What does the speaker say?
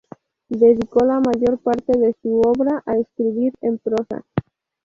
Dedicó la mayor parte de su obra a escribir en prosa.